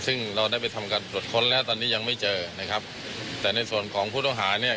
ซึ่งเราได้ไปทำการตรวจค้นแล้วตอนนี้ยังไม่เจอนะครับแต่ในส่วนของผู้ต้องหาเนี่ย